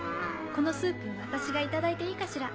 このスープ私がいただいていいかしら？